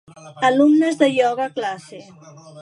Alumnes de ioga a classe.